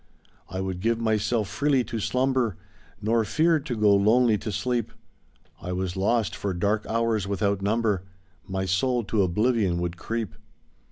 I would give myself freely to slumber Nor feared to go lonely to sleep, I was lost for dark hours without number My soul to oblivion would creep.